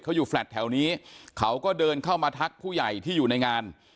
เขาอยู่แลตแถวนี้เขาก็เดินเข้ามาทักผู้ใหญ่ที่อยู่ในงาน